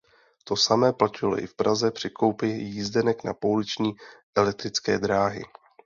To samé platilo i v Praze při koupi jízdenek na pouliční elektrické dráhy.